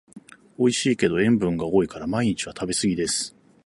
おいしいけど塩分が多いから毎日は食べすぎです